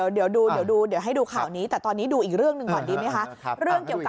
เดี๋ยวให้ดูข่าวนี้แต่ตอนนี้ดูอีกเรื่องหนึ่งก่อนดีไหมคะ